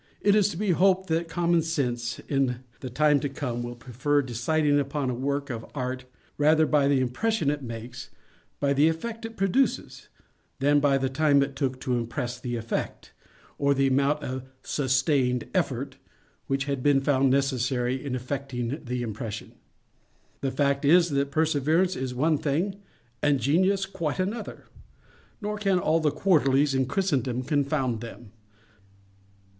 It is to be hoped that common sense, in the time to come, will prefer deciding upon a work of Art rather by the impression it makes—by the effect it produces—than by the time it took to impress the effect, or by the amount of "sustained effort" which had been found necessary in effecting the impression. The fact is, that perseverance is one thing and genius quite another—nor can all the Quarterlies in Christendom confound them.